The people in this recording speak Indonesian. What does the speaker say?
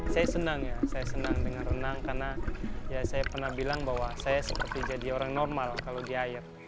saya senang ya saya senang dengan renang karena ya saya pernah bilang bahwa saya seperti jadi orang normal kalau di air